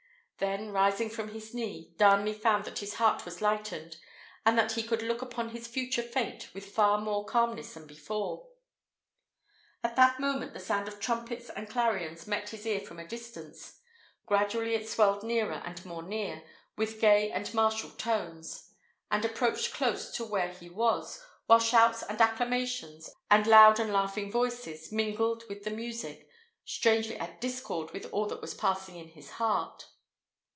Then rising from his knee, Darnley found that his heart was lightened, and that he could look upon his future fate with far more calmness than before. At that moment the sound of trumpets and clarions met his ear from a distance: gradually it swelled nearer and more near, with gay and martial tones, and approached close to where he was, while shouts and acclamations, and loud and laughing voices, mingled with the music, strangely at discord with all that was passing in his heart.